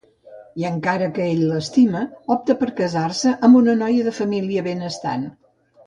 I encara que ell l'estima, opta per casar-se amb una noia de família benestant.